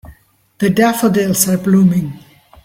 The daffodils are blooming.